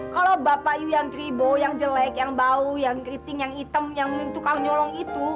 kalau bapak yu yang kribo yang jelek yang bau yang keriting yang hitam yang tukang nyolong itu